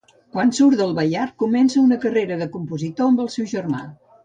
Quan surt del Baiard, comença una carrera de compositor amb el seu germà.